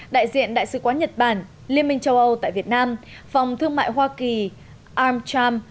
đại diện đại sứ quán nhật bản liên minh châu âu tại việt nam phòng thương mại hoa kỳ amstrom